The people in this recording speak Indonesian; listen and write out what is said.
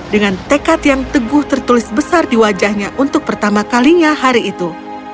dengan tekad yang teguh tertulis besar di wajahnya untuk pertama kalinya hari itu